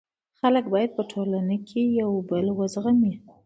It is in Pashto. خلک باید په ټولنه کي یو بل و زغمي.